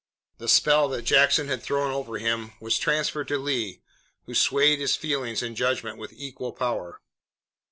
The spell that Jackson had thrown over him was transferred to Lee, who swayed his feelings and judgment with equal power.